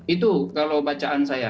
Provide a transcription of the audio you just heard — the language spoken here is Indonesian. itu kalau bacaan saya